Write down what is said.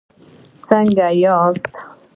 څنګه یاست؟